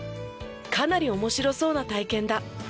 かなり面白そうな体験だ。